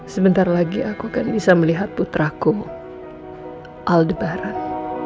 sementara lagi aku akan bisa melihat putraku aldebaran